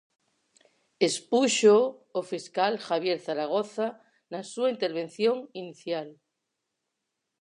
Expúxoo o fiscal Javier Zaragoza na súa intervención inicial.